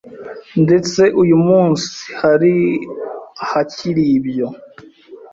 ndetse uyu munsi hari ahakiri ibyo